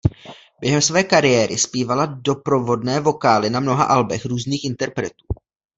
Během své kariéry zpívala doprovodné vokály na mnoha albech různých interpretů.